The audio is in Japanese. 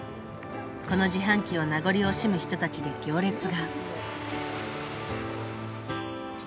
この自販機を名残惜しむ人たちで行列が。